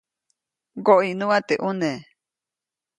ʼMgoʼiʼnuʼa teʼ ʼuneʼ.